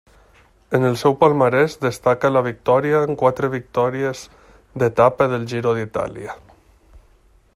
En el seu palmarès destaca la victòria en quatre victòries d'etapa del Giro d'Itàlia.